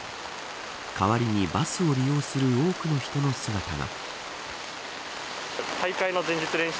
代わりにバスを利用する多くの人の姿が。